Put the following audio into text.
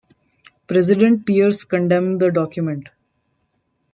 President Pierce condemned the document.